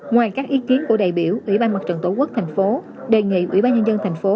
ngoài các ý kiến của đại biểu ủy ban mặt trận tổ quốc thành phố đề nghị ủy ban nhân dân thành phố